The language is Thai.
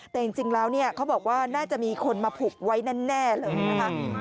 แต่จริงแล้วเนี่ยเขาบอกว่าน่าจะมีคนมาผูกไว้แน่เลยนะคะ